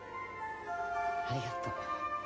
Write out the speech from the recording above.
ありがとう。